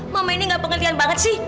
mama ini nggak pengelian banget sih